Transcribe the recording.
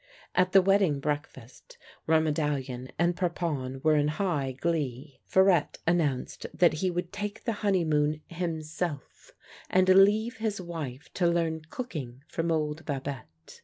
At the wedding breakfast, where MedalHon and Parpon were in high glee, Farette announced that he w^ould take the honeymoon himself, and leave his wife to learn cooking from old Babette.